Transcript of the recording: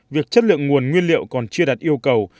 việc chất lượng nguồn nguyên liệu còn chưa đạt yêu cầu